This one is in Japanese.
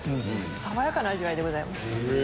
爽やかな味わいでございます。